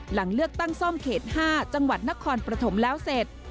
หลังเลือกตั้งซ่อมเขต๕จังหวัดนครปฐมแล้วเสร็จ